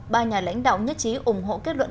ba nhà lãnh đạo nhất trí ủng hộ kết luận